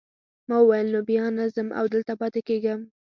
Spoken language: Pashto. ما وویل نو بیا نه ځم او دلته پاتې کیږم.